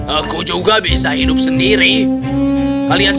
aku juga bisa hidup sendiri